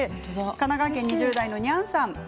神奈川県２０代の方。